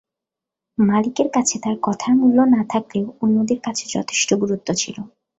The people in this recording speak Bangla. মালিকের কাছে তার কথার মূল্য না থাকলেও অন্যদের কাছে যথেষ্ঠ গুরুত্ব ছিল।